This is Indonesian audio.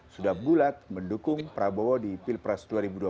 sudah bulat mendukung prabowo di pilpres dua ribu dua puluh